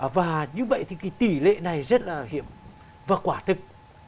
và như vậy thì cái tỷ lệ này rất là hiếm và quả thực